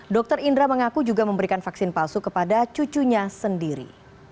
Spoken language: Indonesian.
dr indra mengaku juga memberikan vaksin palsu kepada cucunya sendiri